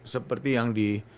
seperti yang di